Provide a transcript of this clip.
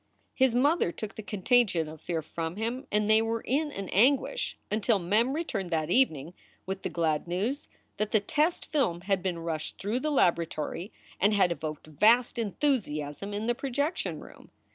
His mother took the contagion of fear from him, and they were in an anguish until Mem returned that evening with the glad news that the test film had been rushed through the laboratory and had evoked vast enthusiasm in the pro jection room.